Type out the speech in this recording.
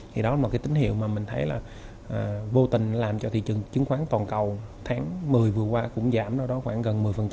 thì đó là một cái tín hiệu mà mình thấy là vô tình làm cho thị trường chứng khoán toàn cầu tháng một mươi vừa qua cũng giảm đó khoảng gần một mươi